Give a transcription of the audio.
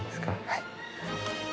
はい。